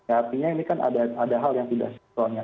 artinya ini kan ada hal yang tidak sempurna